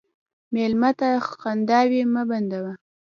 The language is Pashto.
مېلمه ته خنداوې مه بندوه.